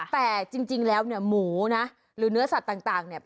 แต่จริงแล้วเนี่ยหมูนะหรือเนื้อสัตว์ต่างเนี่ย